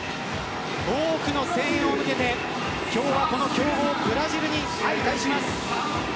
多くの声援を受けて今日は、この強豪ブラジルに相対します。